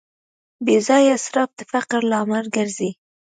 بېځایه اسراف د فقر لامل ګرځي.